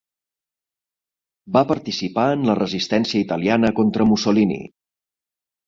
Va participar en la Resistència italiana contra Mussolini.